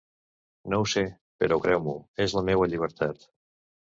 No ho sé, però creure-m'ho és la meua llibertat.